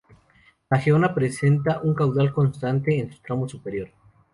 El Genoa presenta un caudal constante en su tramo superior.